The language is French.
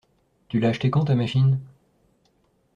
Tu l'as acheté quand ta machine?